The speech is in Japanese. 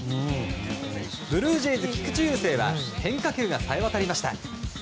ブルージェイズ、菊池雄星は変化球がさえ渡りました。